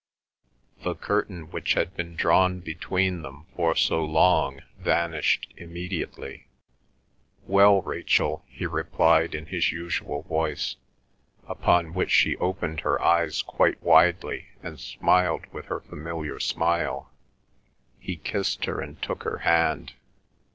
The curtain which had been drawn between them for so long vanished immediately. "Well, Rachel," he replied in his usual voice, upon which she opened her eyes quite widely and smiled with her familiar smile. He kissed her and took her hand.